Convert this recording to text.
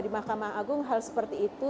di mahkamah agung hal seperti itu